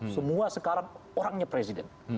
semua sekarang orangnya presiden